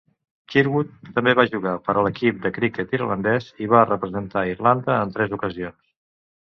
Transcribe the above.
Kirkwood també va jugar per a l'equip de criquet irlandès, i va representar Irlanda en tres ocasions.